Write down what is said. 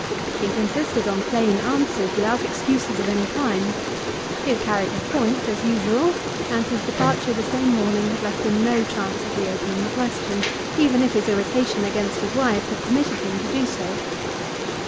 He had insisted on plain answers, without excuses of any kind; he had carried his point as usual; and his departure the same morning had left him no chance of re opening the question, even if his irritation against his wife had permitted him to do so.